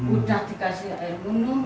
udah dikasih air minum